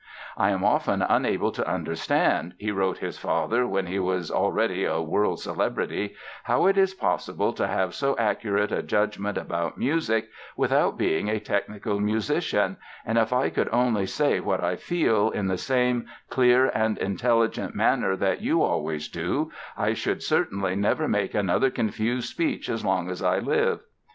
"I am often unable to understand", he wrote his father when he was already a world celebrity, "how it is possible to have so accurate a judgment about music without being a technical musician and if I could only say what I feel in the same clear and intelligent manner that you always do, I should certainly never make another confused speech as long as I live".